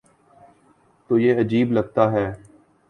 تو یہ عجیب لگتا ہے۔